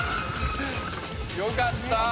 よかった！